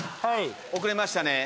遅れましたね。